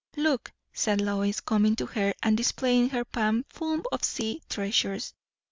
"Look," said Lois, coming to her and displaying her palm full of sea treasures.